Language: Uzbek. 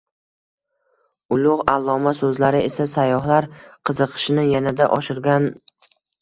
Ulug‘ alloma so‘zlari esa sayyohlar qiziqishini yanada oshirgan